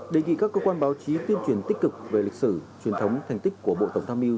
đề nghị các cơ quan báo chí tuyên truyền tích cực về lịch sử truyền thống thành tích của bộ tổng tham mưu